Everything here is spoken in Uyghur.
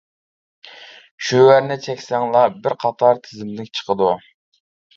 شۇ يەرنى چەكسەڭلار، بىر قاتار تىزىملىك چىقىدۇ.